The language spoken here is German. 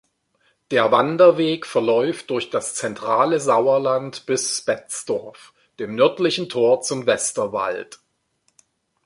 Der Wanderweg verläuft durch das zentrale Sauerland bis Betzdorf, dem nördlichen Tor zum Westerwald.